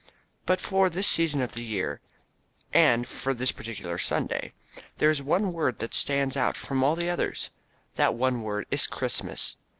But for this season of the year, and for this particular Sunday, there is one word that stands out from among all the others. That one word is "Christmas."